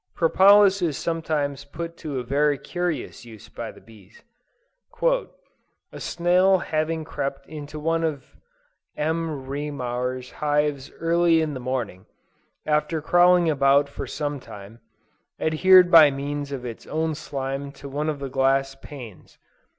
Propolis is sometimes put to a very curious use by the bees. "A snail having crept into one of M. Reaumur's hives early in the morning, after crawling about for some time, adhered by means of its own slime to one of the glass panes.